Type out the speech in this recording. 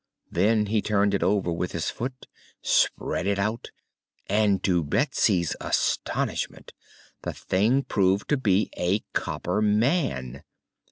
Then he turned it over with his foot, spread it out, and to Betsy's astonishment the thing proved to be a copper man.